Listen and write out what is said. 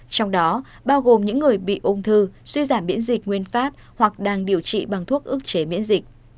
trong đó bao gồm những người bị ung thư suy giảm biễn dịch nguyên phát hoặc đang điều trị bằng thuốc ức chế miễn dịch